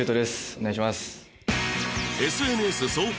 お願いします